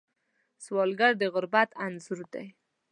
سوالګر د غربت انځور دی